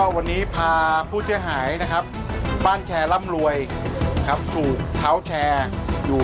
วันนี้พาผู้เสียหายนะครับบ้านแชร์ร่ำรวยถูกเท้าแชร์อยู่